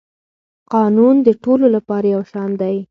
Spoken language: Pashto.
قانون د ټولو لپاره یو شان دی.